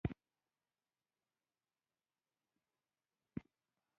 تاریخ بې سرو ږغ نه لري.